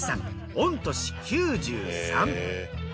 御年９３。